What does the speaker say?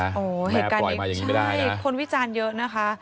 แม่ปล่อยมาอย่างนี้ไม่ได้นะใช่คนวิจารณ์เยอะนะคะ